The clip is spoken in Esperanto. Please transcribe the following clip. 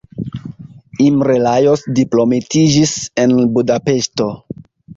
Imre Lajos diplomitiĝis en Budapeŝto.